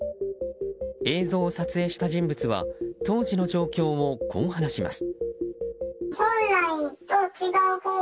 映像を撮影した人物は当時の状況を、こう話します。